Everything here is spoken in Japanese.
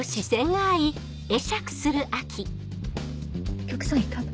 お客さんいたの？